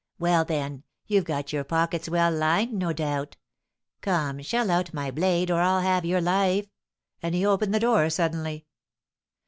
Well, then, you've got your pockets well lined, no doubt. Come, shell out, my blade, or I'll have your life." And he opened the door suddenly.